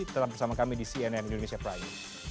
tetap bersama kami di cnn indonesia prime